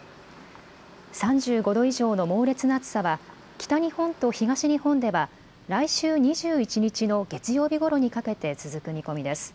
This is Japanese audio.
３５度以上の猛烈な暑さは北日本と東日本では来週２１日の月曜日ごろにかけて続く見込みです。